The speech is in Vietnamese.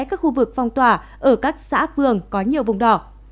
các khu vực phong tỏa ở các xã phường có nhiều vùng đỏ